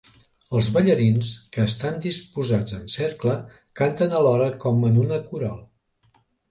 Els ballarins, que estan disposats en cercle, canten alhora com en una coral.